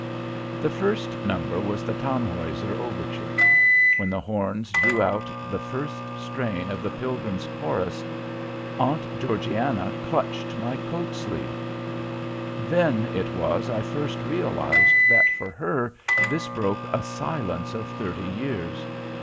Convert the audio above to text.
The first number was the Tannhauser overture. When the horns drew out the first strain of the Pilgrim's chorus, Aunt Georgiana clutched my coat sleeve. Then it was I first realized that for her this broke a silence of thirty years.